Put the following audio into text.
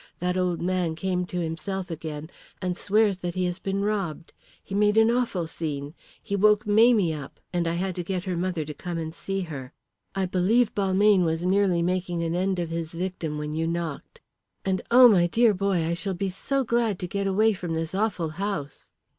That old man came to himself again, and swears that he has been robbed. He made an awful scene. He woke Mamie up, and I had to get her mother to come and see her. I believe Balmayne was nearly making an end of his victim when you knocked. And, oh, my dear boy, I shall be so glad to get away from this awful house."